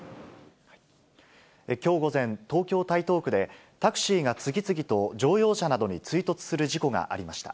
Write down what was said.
きょう午前、東京・台東区で、タクシーが次々と乗用車などに追突する事故がありました。